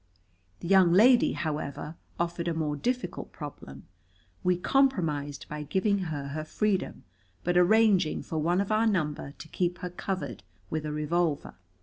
The young lady, however, offered a more difficult problem. We compromised by giving her her freedom, but arranging for one of our number to keep her covered with a revolver.